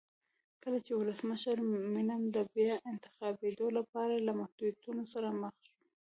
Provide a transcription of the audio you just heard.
کله چې ولسمشر مینم د بیا انتخابېدو لپاره له محدودیتونو سره مخ شو.